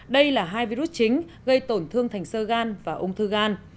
đây là hai virus chính gây tổn thương thành sơ gan và ung thư gan